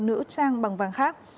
nữ trang bằng vàng khác